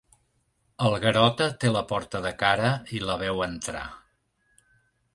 El Garota té la porta de cara i la veu entrar.